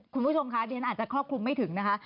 คุณผู้ชมคะดิฉันอาจจะครอบคลุมไม่ถึงนะคะ